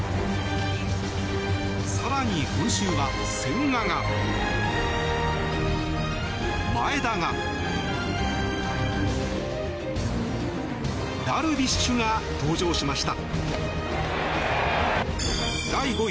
更に、今週は千賀が、前田がダルビッシュが登場しました。